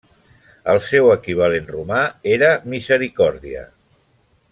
El seu equivalent romà era Misericòrdia.